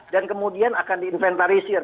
dan kemudian akan diinventarisir